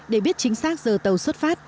để biết chính xác giờ tàu xuất phát